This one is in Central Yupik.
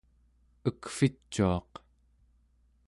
Ekvicuaq